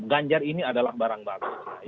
ganjar ini adalah barang baru